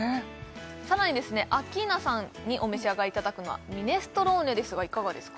さらにですねアッキーナさんにお召し上がりいただくのはミネストローネですがいかがですか？